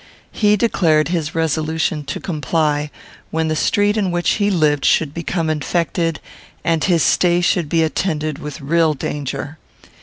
He declared his resolution to comply when the street in which he lived should become infected and his stay should be attended with real danger.